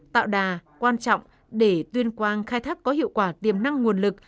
tạo đà quan trọng để tuyên quang khai thác có hiệu quả tiềm năng nguồn lực